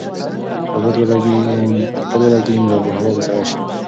که باد ولګېږي نو هوا به سړه شي.